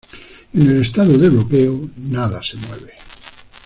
En el estado de bloqueo, nada se mueve.